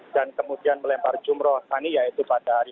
dan kemudian melempar jumrah akobah pada hari